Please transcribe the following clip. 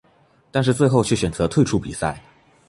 但是最后却选择退出比赛。